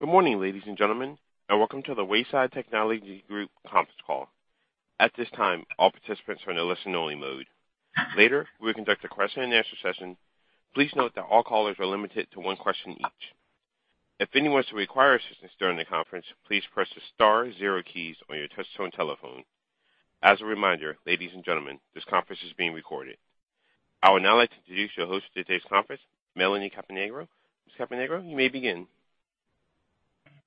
Good morning, ladies and gentlemen, and welcome to the Wayside Technology Group conference call. At this time, all participants are in a listen-only mode. Later, we will conduct a question and answer session. Please note that all callers are limited to one question each. If anyone should require assistance during the conference, please press the star zero keys on your touchtone telephone. As a reminder, ladies and gentlemen, this conference is being recorded. I would now like to introduce your host for today's conference, Melanie Caponigro. Ms. Caponigro, you may begin. Thank you.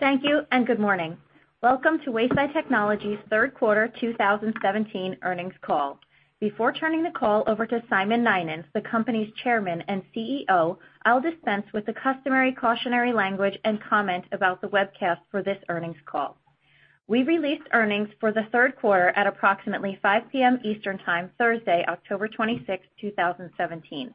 Good morning. Welcome to Wayside Technology's third quarter 2017 earnings call. Before turning the call over to Simon Nynens, the company's chairman and CEO, I'll dispense with the customary cautionary language and comment about the webcast for this earnings call. We released earnings for the third quarter at approximately 5:00 P.M. Eastern Time, Thursday, October 26, 2017.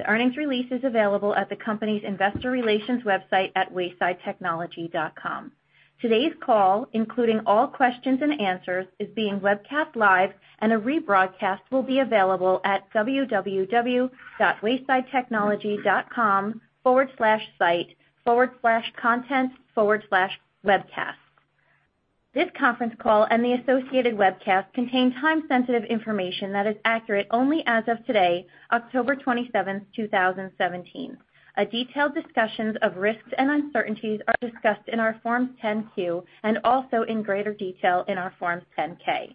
The earnings release is available at the company's investor relations website at waysidetechnology.com. Today's call, including all questions and answers, is being webcast live, and a rebroadcast will be available at www.waysidetechnology.com/site/content/webcasts. This conference call and the associated webcast contain time-sensitive information that is accurate only as of today, October 27, 2017. A detailed discussions of risks and uncertainties are discussed in our Forms 10-Q, and also in greater detail in our Forms 10-K.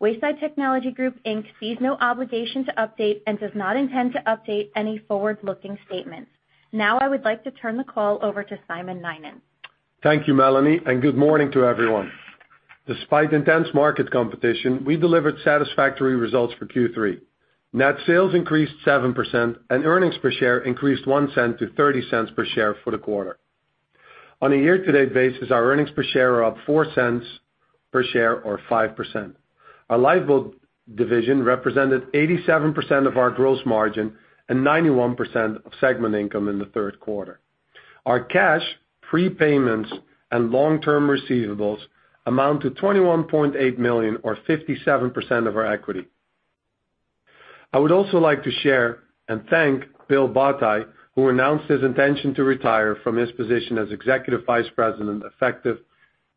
Wayside Technology Group, Inc. sees no obligation to update and does not intend to update any forward-looking statements. I would like to turn the call over to Simon Nynens. Thank you, Melanie. Good morning to everyone. Despite intense market competition, we delivered satisfactory results for Q3. Net sales increased 7%, and earnings per share increased $0.01 to $0.30 per share for the quarter. On a year-to-date basis, our earnings per share are up $0.04 per share or 5%. Our Lifeboat division represented 87% of our gross margin and 91% of segment income in the third quarter. Our cash prepayments and long-term receivables amount to $21.8 million or 57% of our equity. I would also like to share and thank Bill Botti, who announced his intention to retire from his position as Executive Vice President effective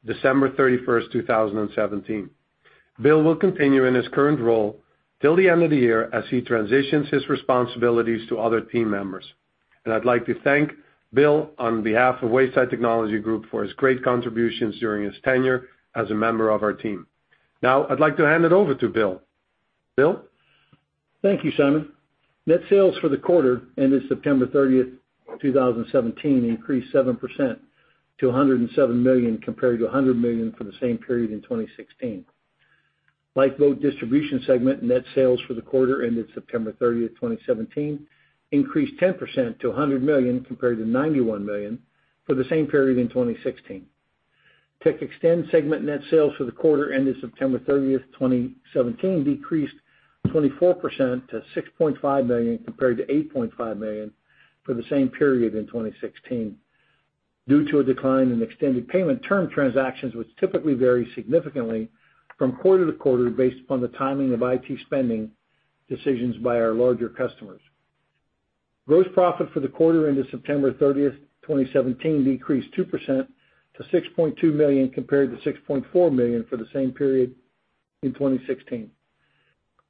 December 31, 2017. Bill will continue in his current role till the end of the year as he transitions his responsibilities to other team members. I'd like to thank Bill on behalf of Wayside Technology Group for his great contributions during his tenure as a member of our team. Now I'd like to hand it over to Bill. Bill? Thank you, Simon. Net sales for the quarter ended September 30th, 2017 increased 7% to $107 million compared to $100 million for the same period in 2016. Lifeboat Distribution segment net sales for the quarter ended September 30th, 2017 increased 10% to $100 million compared to $91 million for the same period in 2016. TechXtend segment net sales for the quarter ended September 30th, 2017 decreased 24% to $6.5 million, compared to $8.5 million for the same period in 2016, due to a decline in extended payment term transactions, which typically vary significantly from quarter to quarter based upon the timing of IT spending decisions by our larger customers. Gross profit for the quarter ended September 30th, 2017 decreased 2% to $6.2 million, compared to $6.4 million for the same period in 2016.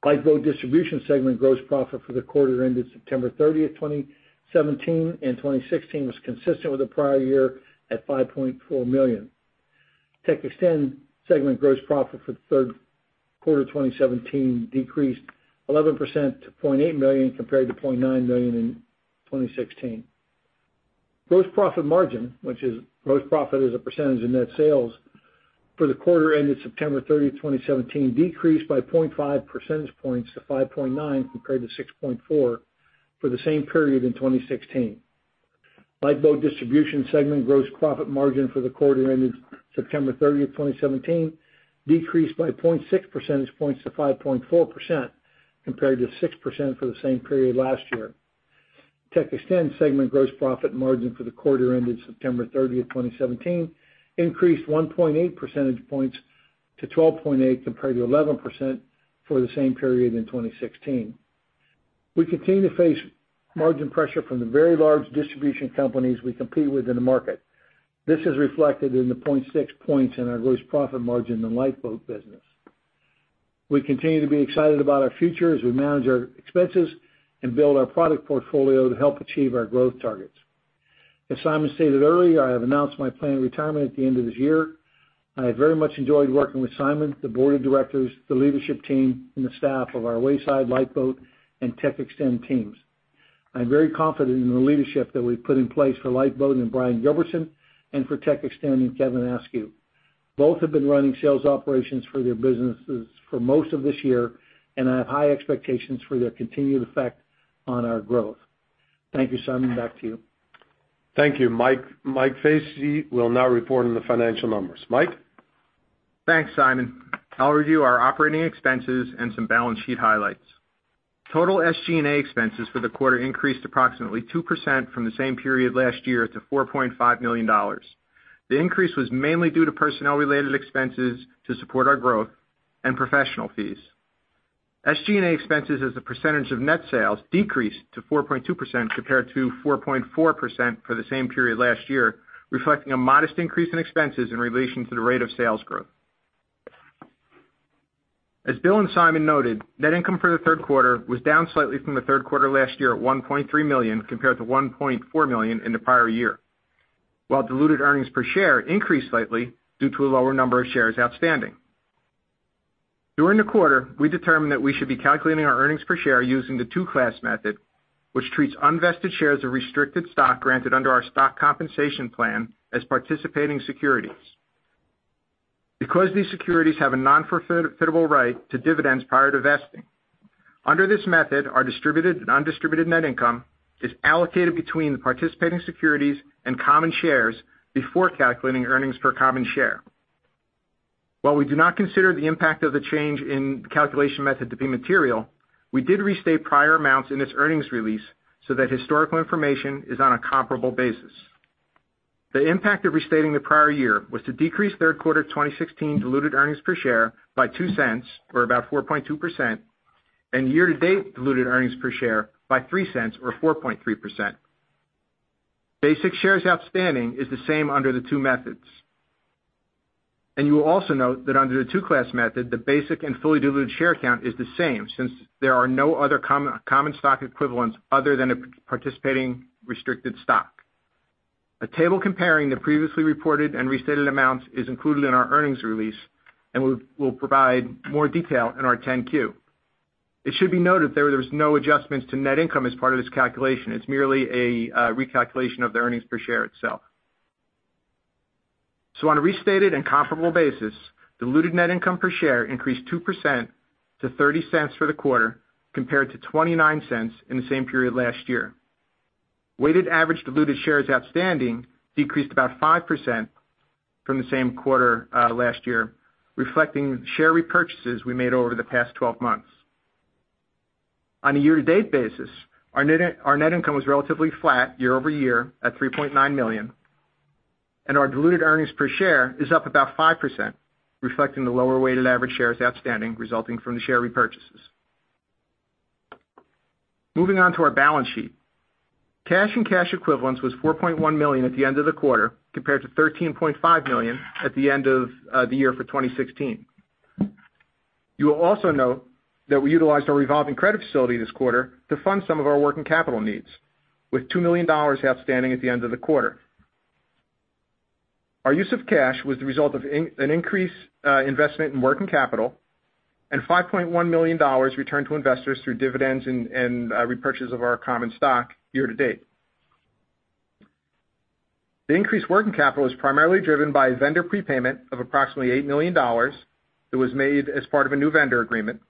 Lifeboat Distribution segment gross profit for the quarter ended September 30th, 2017 and 2016 was consistent with the prior year at $5.4 million. TechXtend segment gross profit for the third quarter 2017 decreased 11% to $0.8 million, compared to $0.9 million in 2016. Gross profit margin, which is gross profit as a percentage of net sales, for the quarter ended September 30, 2017, decreased by 0.5 percentage points to 5.9%, compared to 6.4% for the same period in 2016. Lifeboat Distribution segment gross profit margin for the quarter ended September 30th, 2017 decreased by 0.6 percentage points to 5.4%, compared to 6% for the same period last year. TechXtend segment gross profit margin for the quarter ended September 30th, 2017 increased 1.8 percentage points to 12.8%, compared to 11% for the same period in 2016. We continue to face margin pressure from the very large distribution companies we compete with in the market. This is reflected in the 0.6 points in our gross profit margin in the Lifeboat business. We continue to be excited about our future as we manage our expenses and build our product portfolio to help achieve our growth targets. As Simon stated earlier, I have announced my planned retirement at the end of this year. I have very much enjoyed working with Simon, the board of directors, the leadership team, and the staff of our Wayside, Lifeboat, and TechXtend teams. I'm very confident in the leadership that we've put in place for Lifeboat in Brian Gilbertson and for TechXtend in Kevin Askew. Both have been running sales operations for their businesses for most of this year, and I have high expectations for their continued effect on our growth. Thank you, Simon, back to you. Thank you. Michael Vesey will now report on the financial numbers. Mike? Thanks, Simon. I'll review our operating expenses and some balance sheet highlights. Total SG&A expenses for the quarter increased approximately 2% from the same period last year to $4.5 million. The increase was mainly due to personnel-related expenses to support our growth and professional fees. SG&A expenses as a percentage of net sales decreased to 4.2% compared to 4.4% for the same period last year, reflecting a modest increase in expenses in relation to the rate of sales growth. As Bill and Simon noted, net income for the third quarter was down slightly from the third quarter last year at $1.3 million compared to $1.4 million in the prior year. While diluted earnings per share increased slightly due to a lower number of shares outstanding. During the quarter, we determined that we should be calculating our earnings per share using the two-class method, which treats unvested shares of restricted stock granted under our stock compensation plan as participating securities because these securities have a non-forfeitable right to dividends prior to vesting. Under this method, our distributed and undistributed net income is allocated between the participating securities and common shares before calculating earnings per common share. While we do not consider the impact of the change in the calculation method to be material, we did restate prior amounts in this earnings release so that historical information is on a comparable basis. The impact of restating the prior year was to decrease third quarter 2016 diluted earnings per share by $0.02 or about 4.2%, and year-to-date diluted earnings per share by $0.03 or 4.3%. Basic shares outstanding is the same under the two methods. You will also note that under the two-class method, the basic and fully diluted share count is the same since there are no other common stock equivalents other than a participating restricted stock. A table comparing the previously reported and restated amounts is included in our earnings release and we will provide more detail in our 10-Q. It should be noted there was no adjustments to net income as part of this calculation. It's merely a recalculation of the earnings per share itself. On a restated and comparable basis, diluted net income per share increased 2% to $0.30 for the quarter compared to $0.29 in the same period last year. Weighted average diluted shares outstanding decreased about 5% from the same quarter last year, reflecting share repurchases we made over the past 12 months. On a year-to-date basis, our net income was relatively flat year-over-year at $3.9 million and our diluted earnings per share is up about 5%, reflecting the lower weighted average shares outstanding resulting from the share repurchases. Moving on to our balance sheet. Cash and cash equivalents was $4.1 million at the end of the quarter compared to $13.5 million at the end of the year for 2016. You will also note that we utilized our revolving credit facility this quarter to fund some of our working capital needs with $2 million outstanding at the end of the quarter. Our use of cash was the result of an increased investment in working capital and $5.1 million returned to investors through dividends and repurchase of our common stock year-to-date. The increased working capital was primarily driven by a vendor prepayment of approximately $8 million that was made as part of a new vendor agreement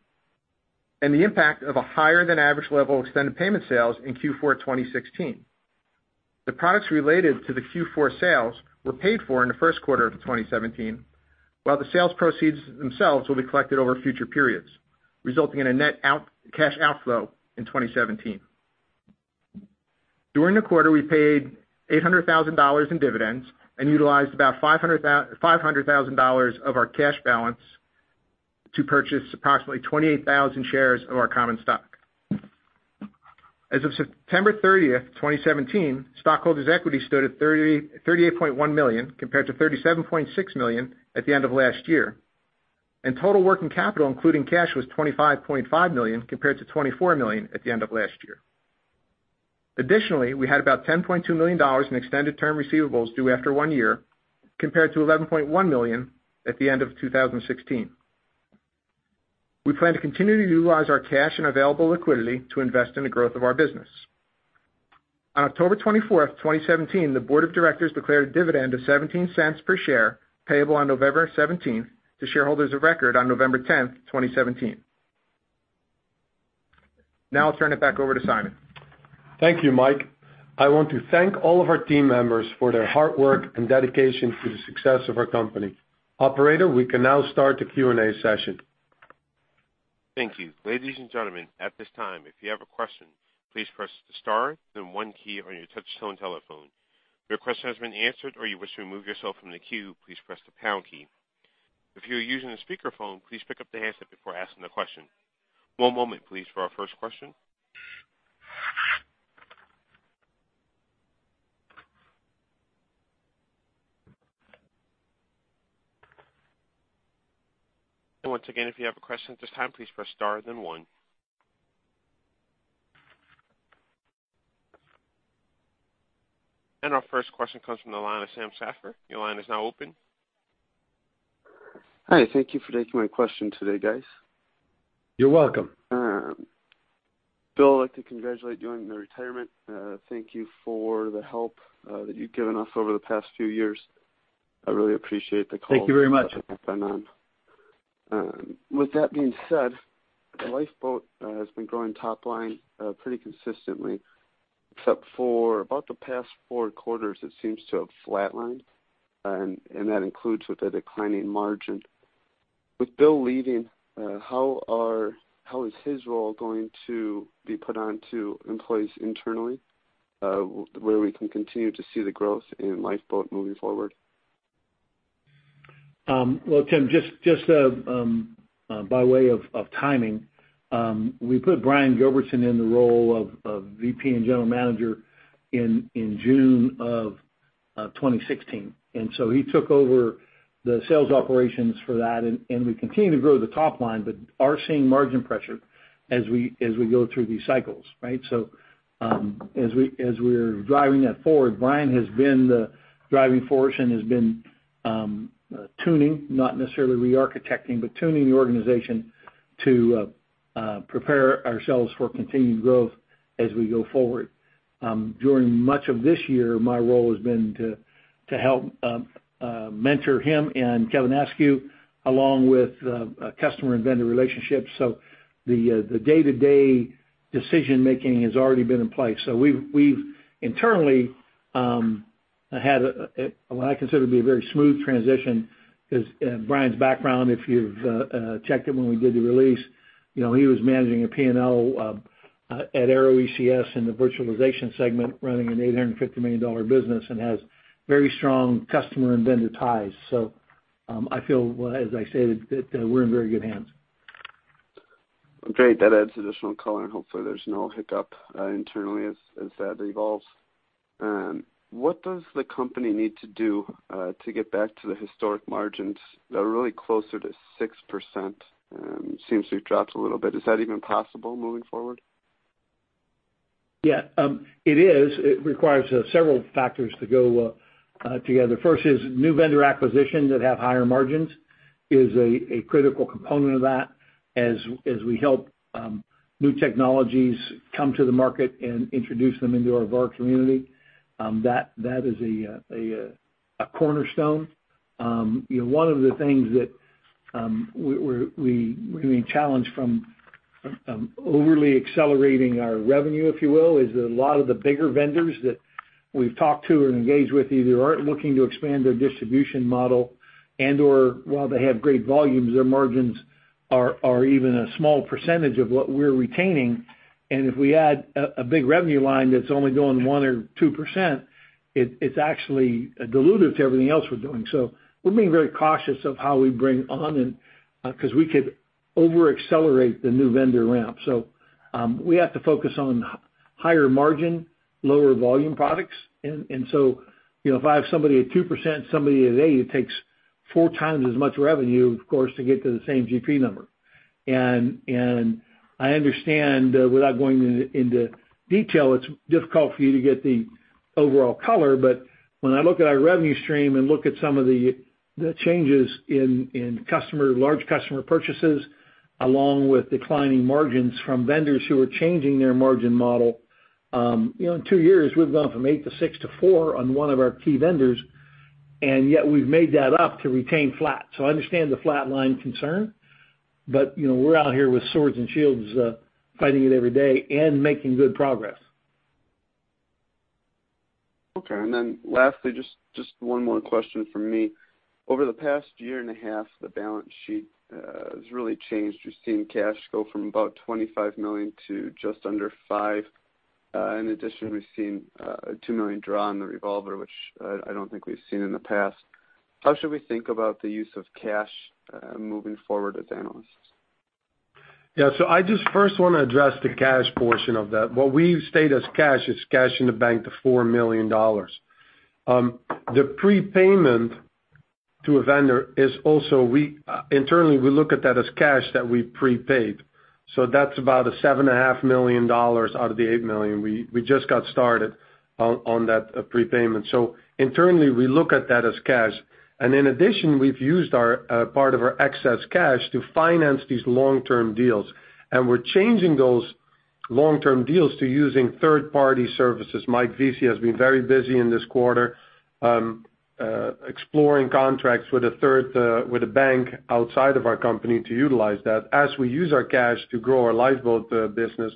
and the impact of a higher than average level extended payment sales in Q4 2016. The products related to the Q4 sales were paid for in the first quarter of 2017 while the sales proceeds themselves will be collected over future periods resulting in a net cash outflow in 2017. During the quarter, we paid $800,000 in dividends and utilized about $500,000 of our cash balance to purchase approximately 28,000 shares of our common stock. As of September 30th, 2017, stockholders' equity stood at $38.1 million compared to $37.6 million at the end of last year and total working capital including cash was $25.5 million compared to $24 million at the end of last year. Additionally, we had about $10.2 million in extended term receivables due after one year compared to $11.1 million at the end of 2016. We plan to continue to utilize our cash and available liquidity to invest in the growth of our business. On October 24th, 2017, the board of directors declared a dividend of $0.17 per share payable on November 17th to shareholders of record on November 10th, 2017. I'll turn it back over to Simon. Thank you, Mike. I want to thank all of our team members for their hard work and dedication to the success of our company. Operator, we can now start the Q&A session. Thank you. Ladies and gentlemen, at this time, if you have a question, please press the star then one key on your touchtone telephone. If your question has been answered or you wish to remove yourself from the queue, please press the pound key. If you are using a speakerphone, please pick up the handset before asking the question. One moment please for our first question. Once again, if you have a question at this time, please press star then one. Our first question comes from the line of Sam Safir. Your line is now open. Hi, thank you for taking my question today, guys. You're welcome. Bill, I'd like to congratulate you on your retirement. Thank you for the help that you've given us over the past few years. I really appreciate the call. Thank you very much. With that being said, Lifeboat has been growing top line pretty consistently except for about the past four quarters it seems to have flatlined and that includes with a declining margin. With Bill leaving, how is his role going to be put onto employees internally where we can continue to see the growth in Lifeboat moving forward? Well, Tim, just by way of timing, we put Brian Gilbertson in the role of VP and General Manager in June of 2016. He took over the sales operations for that, we continue to grow the top line, but are seeing margin pressure as we go through these cycles. Right? As we're driving that forward, Brian has been the driving force and has been tuning, not necessarily re-architecting, but tuning the organization to prepare ourselves for continued growth as we go forward. During much of this year, my role has been to help mentor him and Kevin Askew, along with customer and vendor relationships. The day-to-day decision-making has already been in place. We've internally had what I consider to be a very smooth transition, because Brian's background, if you've checked it when we did the release, he was managing a P&L at Arrow ECS in the virtualization segment, running an $850 million business, and has very strong customer and vendor ties. I feel, as I say, that we're in very good hands. Great. That adds additional color, and hopefully there's no hiccup internally as that evolves. What does the company need to do to get back to the historic margins that are really closer to 6%? It seems to have dropped a little bit. Is that even possible moving forward? It is. It requires several factors to go together. First is new vendor acquisitions that have higher margins is a critical component of that. As we help new technologies come to the market and introduce them into our VAR community, that is a cornerstone. One of the things that we're being challenged from overly accelerating our revenue, if you will, is that a lot of the bigger vendors that we've talked to or engaged with either aren't looking to expand their distribution model and/or while they have great volumes, their margins are even a small percentage of what we're retaining. If we add a big revenue line that's only doing 1% or 2%, it's actually dilutive to everything else we're doing. We're being very cautious of how we bring on, because we could over-accelerate the new vendor ramp. We have to focus on higher margin, lower volume products. If I have somebody at 2%, somebody at 8%, it takes four times as much revenue, of course, to get to the same GP number. I understand, without going into detail, it's difficult for you to get the overall color. When I look at our revenue stream and look at some of the changes in large customer purchases, along with declining margins from vendors who are changing their margin model, in two years, we've gone from 8% to 6% to 4% on one of our key vendors, and yet we've made that up to retain flat. I understand the flat line concern, but we're out here with swords and shields, fighting it every day and making good progress. Okay, lastly, just one more question from me. Over the past year and a half, the balance sheet has really changed. We've seen cash go from about $25 million to just under five. In addition, we've seen a $2 million draw on the revolver, which I don't think we've seen in the past. How should we think about the use of cash moving forward as analysts? Yeah, I just first want to address the cash portion of that. What we've stated as cash is cash in the bank, the $4 million. The prepayment to a vendor is also, internally, we look at that as cash that we've prepaid. That's about a $7.5 million out of the $8 million. We just got started on that prepayment. Internally, we look at that as cash. In addition, we've used part of our excess cash to finance these long-term deals. We're changing those long-term deals to using third-party services. Michael Vesey has been very busy in this quarter, exploring contracts with a bank outside of our company to utilize that as we use our cash to grow our Lifeboat business.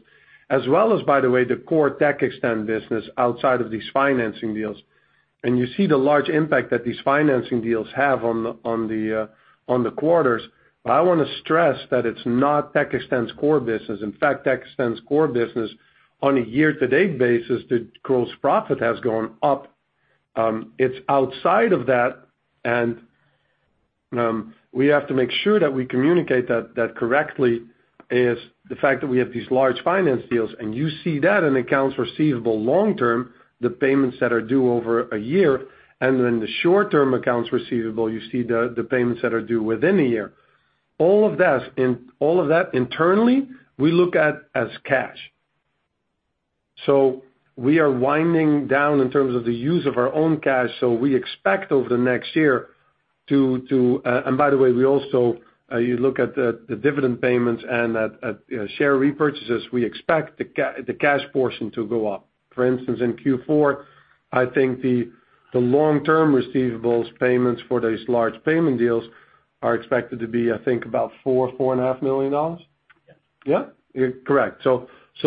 As well as, by the way, the core TechXtend business outside of these financing deals. You see the large impact that these financing deals have on the quarters. I want to stress that it's not TechXtend's core business. In fact, TechXtend's core business, on a year-to-date basis, the gross profit has gone up. It's outside of that, we have to make sure that we communicate that correctly, is the fact that we have these large finance deals, and you see that in accounts receivable long-term, the payments that are due over a year, and in the short-term accounts receivable, you see the payments that are due within a year. All of that, internally, we look at as cash. We are winding down in terms of the use of our own cash, we expect over the next year. By the way, we also, you look at the dividend payments and at share repurchases, we expect the cash portion to go up. For instance, in Q4, I think the long-term receivables payments for these large payment deals are expected to be, I think, about $4 or $4.5 million. Yeah. Yeah. Correct.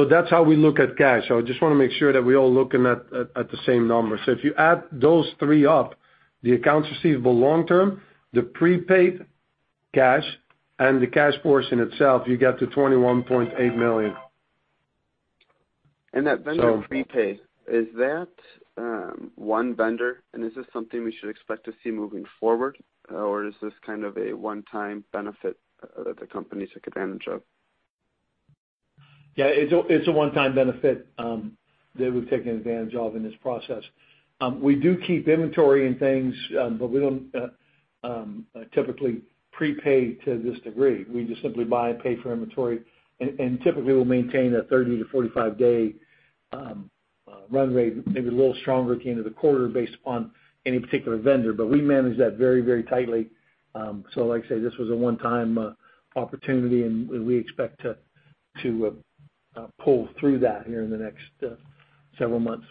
That's how we look at cash. I just want to make sure that we're all looking at the same number. If you add those three up, the accounts receivable long-term, the prepaid cash, and the cash portion itself, you get to $21.8 million. That vendor prepaid, is that one vendor, and is this something we should expect to see moving forward, or is this kind of a one-time benefit that the company took advantage of? Yeah, it's a one-time benefit that we've taken advantage of in this process. We do keep inventory and things, but we don't typically prepay to this degree. We just simply buy and pay for inventory. Typically, we'll maintain a 30 to 45-day runway, maybe a little stronger at the end of the quarter based upon any particular vendor. We manage that very tightly. Like I say, this was a one-time opportunity, and we expect to pull through that here in the next several months.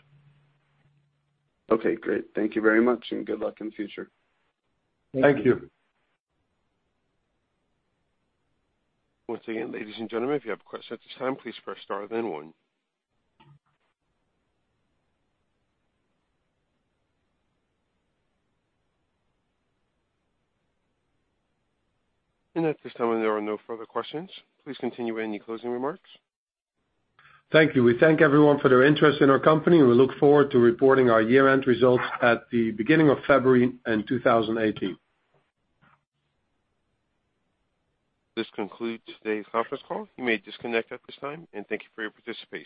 Okay, great. Thank you very much, and good luck in the future. Thank you. Thank you. Once again, ladies and gentlemen, if you have a question at this time, please press star, then one. At this time, there are no further questions. Please continue any closing remarks. Thank you. We thank everyone for their interest in our company, and we look forward to reporting our year-end results at the beginning of February in 2018. This concludes today's conference call. You may disconnect at this time, and thank you for your participation